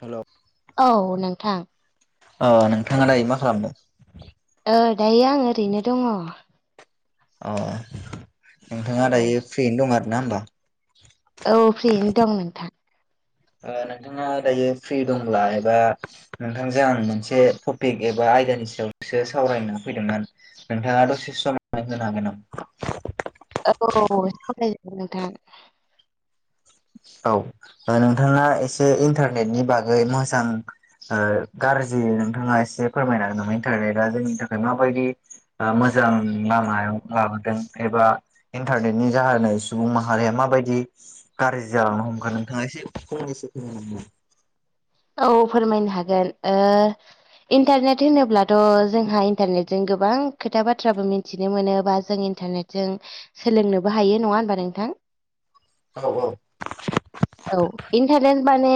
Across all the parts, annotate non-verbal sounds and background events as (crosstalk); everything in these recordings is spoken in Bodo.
हेल' औ नोंथां अ नोंथाङालाय मा खालामदों औ दायो आं ओरैनो दङ अ औ नोंथाङा दायो फ्रियैनो दं आर ना होमबा औ फ्रियैनो दं नोंथां। ओ-नोंथाङा दायो फ्रि दंब्ला एबा नोंथांजों आं मोनसे टपिक एबा आयदानि सायावसो सावरायनो फैदोंमोन। नोंथाङाथ दसे सम हागोन नाम। औ (unintelligible) औ नोंथाङा एसे इन्टारनेटनि बागै मोजां। ओ-गाज्रि नोंथाङा एसे फोरमायना नामा इन्टारनेटआ जोंनि थाखाय माबायदि। ओ मोजां लामायाव लाबोदों एबा इन्टारनेटनि जाहोनाव सुबुं माहारिया माबायदि गाज्रि जालांनो हमगोन नोंथाङा एसे खम खमोन औ फोरमायनो हागोन ओ इन्टारनेट होनोब्लाथ' जोंहा इन्टारनेटजों गोबां खोथा बाथ्राबो मिन्थिनो मोनोबा जों इन्टारनेट जों सोलोंनोबो हायो नङा होनबा नोंथां औ औ औ इन्टारने माने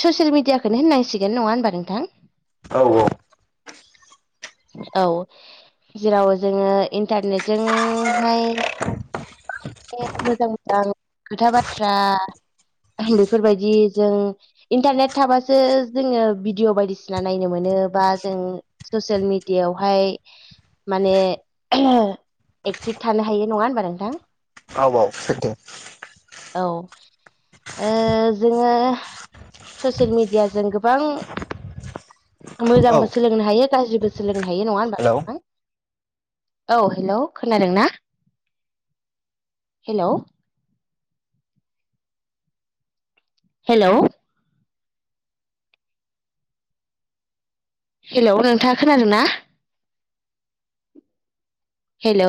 ससियेल मिडियाखौनो होननांसिगोन नङा होनोमबा नोंथां औ औ औ जेराव जोङो इन्टारनेटजों। ओंहाय मोजां मोजां खोथा बाथ्रा। बेफोरबायदि जों। इन्टारनेट थाबासो जोङो भिडिय बायदिसिना नायनो मोनो बा जों ससियेल मिडियावहाय। माने एक्टिभ थानो हायो नङा होनोमबा नोंथां? औ औ नंगौ औ ओ जोङो। ससियेल मिडियाजों गोबां औ मोजांबो सोलोंनो हायो गाज्रिबो। सोलोंनो हायो नङा होनबा हेलौ नोंथां? औ हेल खोनादों ना? हेल हेल हेल नोंथाङा खोनादों ना? हेल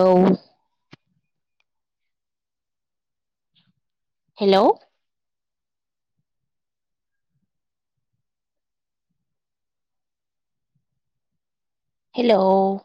हेल हेल